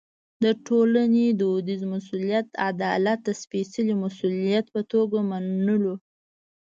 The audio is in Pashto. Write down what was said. د ټولنې دودیز مسوولیت عدالت د سپېڅلي مسوولیت په توګه منلو.